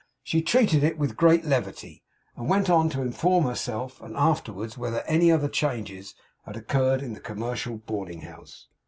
She treated it with great levity, and went on to inform herself, then and afterwards, whether any other changes had occurred in the commercial boarding house.